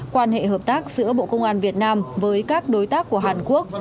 quan hệ hợp tác giữa bộ công an việt nam với các đối tác của hàn quốc